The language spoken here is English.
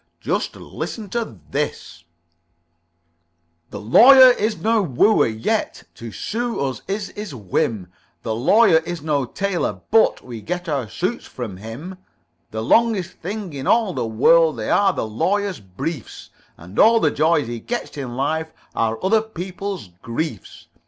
"Just listen to this: "The Lawyer is no wooer, yet To sue us is his whim. The Lawyer is no tailor, but We get our suits from him. The longest things in all the world They are the Lawyer's briefs, And all the joys he gets in life Are other people's griefs.